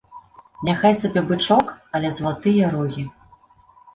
Няхай сабе бычок, але залатыя рогі.